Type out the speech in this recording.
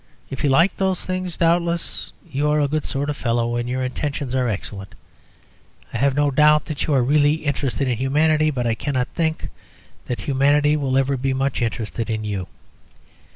If you like those things, doubtless you are a good sort of fellow, and your intentions are excellent. I have no doubt that you are really interested in humanity; but I cannot think that humanity will ever be much interested in you.